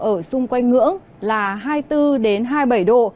ở xung quanh ngưỡng là hai mươi bốn hai mươi bảy độ